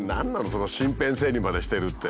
その身辺整理までしてるって。